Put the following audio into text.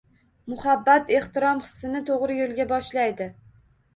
Muhabbat ehtirom hissini to‘g‘ri yo‘lga boshlaydi